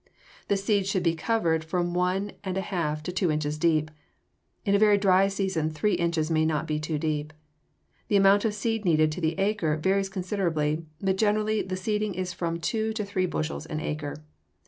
The seeds should be covered from one and a half to two inches deep. In a very dry season three inches may not be too deep. The amount of seed needed to the acre varies considerably, but generally the seeding is from two to three bushels an acre.